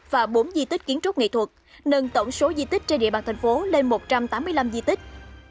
và bốn di tích kiến trúc nghệ thuật nâng tổng số di tích trên địa bàn thành phố lên một trăm tám mươi năm di tích